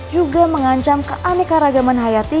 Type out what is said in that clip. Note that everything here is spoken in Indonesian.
juga mengancam keaneka ragaman hayati